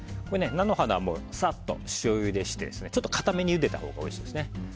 菜の花はさっと塩ゆでしてちょっと硬めにゆでたほうがおいしいです。